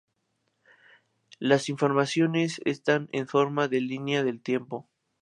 Las informaciones están en forma de línea del tiempo.